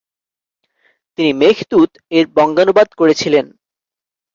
তিনি মেঘদূত -এর বঙ্গানুবাদ করেছিলেন।